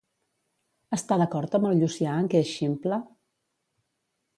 Està d'acord amb el Llucià en que és ximple?